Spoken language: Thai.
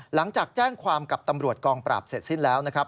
หลังจากแจ้งความกับตำรวจกองปราบเสร็จสิ้นแล้วนะครับ